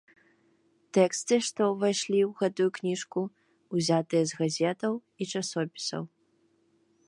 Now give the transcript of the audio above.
Тэксты, што ўвайшлі ў гэтую кніжку, узятыя з газетаў і часопісаў.